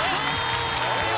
お見事！